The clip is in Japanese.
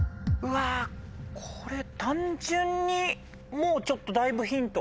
これ単純にもうちょっとだいぶヒント。